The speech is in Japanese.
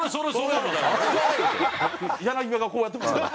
柳葉がこうやってますから。